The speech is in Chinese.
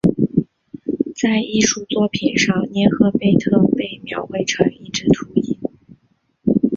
在艺术作品上涅赫贝特被描绘成一只秃鹰。